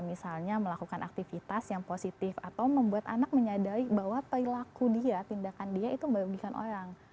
misalnya melakukan aktivitas yang positif atau membuat anak menyadari bahwa perilaku dia tindakan dia itu merugikan orang